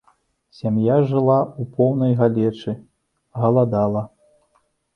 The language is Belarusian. Сям'я жыла ў поўнай галечы, галадала.